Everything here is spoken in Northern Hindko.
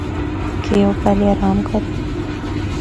کہ او پہلے آرام کرّے۔